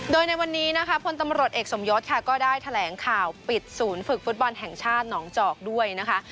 โดยในวันนี้นะคะพลตำรวจเอกสมยศค่ะก็ได้แถลงข่าวปิดศูนย์ฝึกฟุตบอลแห่งชาติหนองจอกด้วยนะคะ